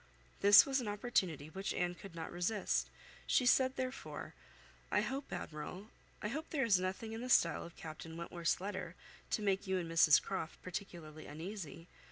This was an opportunity which Anne could not resist; she said, therefore, "I hope, Admiral, I hope there is nothing in the style of Captain Wentworth's letter to make you and Mrs Croft particularly uneasy.